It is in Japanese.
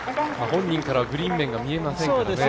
本人からはグリーン面が見えませんからね。